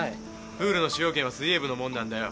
プールの使用権は水泳部のもんなんだよ。